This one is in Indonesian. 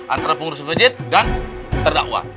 antara pengurus masjid dan terdakwa